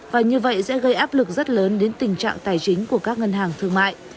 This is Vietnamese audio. và như vậy sẽ gây áp lực rất lớn đến tình trạng tài chính của các ngân hàng thương mại